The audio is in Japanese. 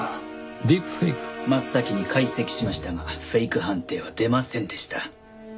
真っ先に解析しましたがフェイク判定は出ませんでした。